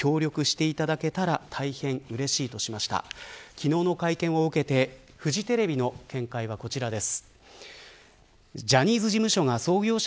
昨日の会見を受けてフジテレビの見解はこちらです。